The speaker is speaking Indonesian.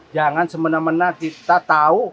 jangan semena mena kita tahu